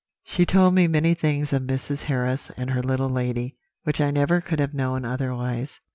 She told me many things of Mrs. Harris and her little lady, which I never could have known otherwise.